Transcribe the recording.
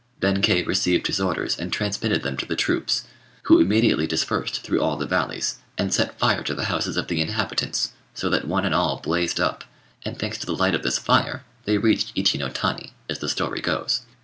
Benkei received his orders and transmitted them to the troops, who immediately dispersed through all the valleys, and set fire to the houses of the inhabitants, so that one and all blazed up, and, thanks to the light of this fire, they reached Ichi no tani, as the story goes.